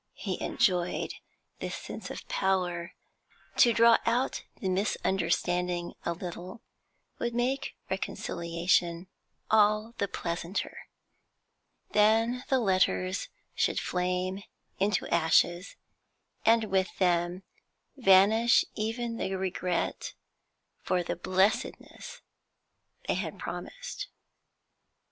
He enjoyed this sense of power; to draw out the misunderstanding a little would make reconciliation all the pleasanter. Then the letters should flame into ashes, and with them vanish even the regret for the blessedness they had promised.